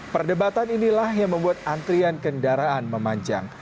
perdebatan inilah yang membuat antrian kendaraan memanjang